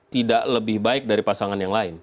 tidak lebih baik dari pasangan yang lain